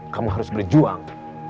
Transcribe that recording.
kamu harus berjuang